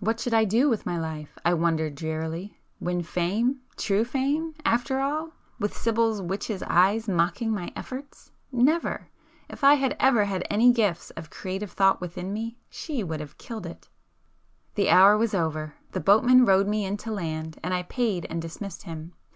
What should I do with my life, I wondered drearily! Win fame,—true fame,—after all? With Sibyl's witch eyes mocking my efforts?—never! If [p 305] I had ever had any gifts of creative thought within me, she would have killed it! The hour was over,—the boatman rowed me in to land, and I paid and dismissed him.